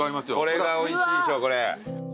これがおいしいでしょ。